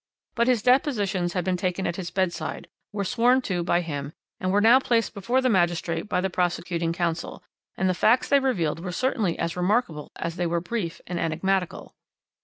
But his depositions had been taken at his bedside, were sworn to by him, and were now placed before the magistrate by the prosecuting counsel, and the facts they revealed were certainly as remarkable as they were brief and enigmatical.